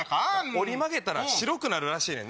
折り曲げたら白くなるらしいねん。